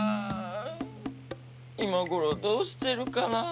今頃どうしてるかな？